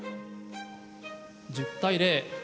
１０対０。